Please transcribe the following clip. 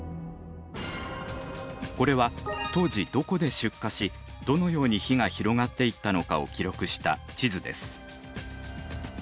これは当時どこで出火しどのように火が広がっていったのかを記録した地図です。